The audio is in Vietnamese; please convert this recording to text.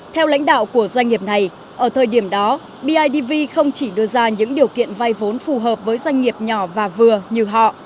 theo lãnh đạo của doanh nghiệp này ở thời điểm đó bidv không chỉ đưa ra những điều kiện vay vốn phù hợp với doanh nghiệp nhỏ và vừa như họ